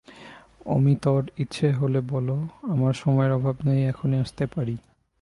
অমিতর ইচ্ছে হল বলে, আমার সময়ের অভাব নেই, এখনই আসতে পারি।